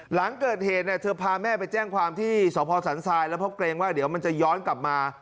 หลังเกิดเหตุเนี่ยเธอพาแม่ไปแจ้งความที่สพสันทรายแล้วเพราะเกรงว่าเดี๋ยวมันจะย้อนกลับมา